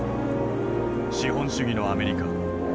資本主義のアメリカ。